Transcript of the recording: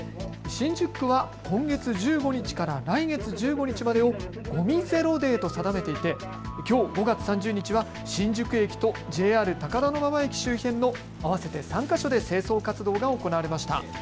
新宿区は今月１５日から来月１５日までをごみゼロデーと定めていて、きょう５月３０日は新宿駅とＪＲ高田馬場駅周辺の合わせて３か所で清掃活動が行われました。